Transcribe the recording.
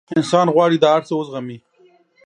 انسان غواړي دا هر څه وزغمي.